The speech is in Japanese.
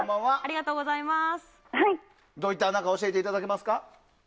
どういった穴か教えていただけますか？